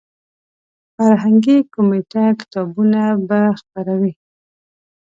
فرهنګي کمیټه کتابونه به خپروي.